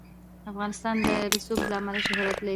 افغانستان د رسوب له امله شهرت لري.